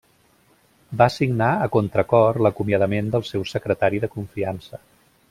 Va signar a contracor l'acomiadament del seu secretari de confiança.